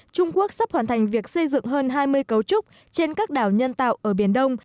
trung quốc sắp hoàn thành việc xây dựng hơn hai mươi cấu trúc trên các đảo nhân tạo ở biển đông